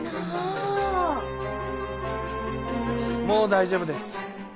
もう大丈夫です。